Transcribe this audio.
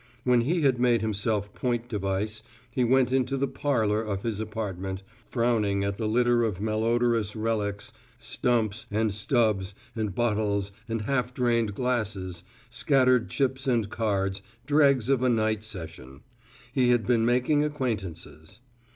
When he had made himself point device, he went into the "parlour" of his apartment, frowning at the litter of malodorous, relics, stumps and stubs and bottles and half drained glasses, scattered chips and cards, dregs of a night session. He had been making acquaintances.